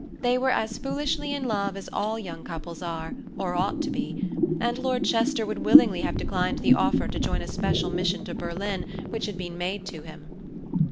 They were as foolishly in love as all young couples are or ought to be, and Lord Chester would willingly have declined the offer to join a special mission to Berlin, which had been made to him.